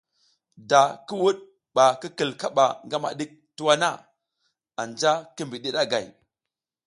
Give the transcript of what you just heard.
Da ki wuɗ bak i kil kaɓa ngama ɗik tuwa na, anja ki bidi ɗagay.